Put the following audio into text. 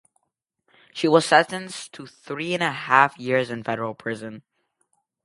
She was sentenced to three and a half years in federal prison.